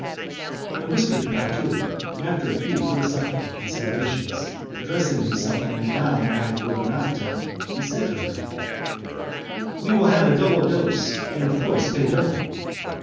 I whispered to Patu, and, after a few philosophical considerations, addressing himself to madame la gouvernante, he said to her, "We will have a double dose, and of course pay double."